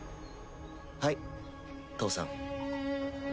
はい義父さん。